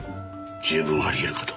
十分ありえるかと。